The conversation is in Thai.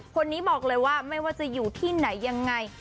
คนนี้บอกเลยว่าไม่ว่าจะอยู่ที่ไหนยังไง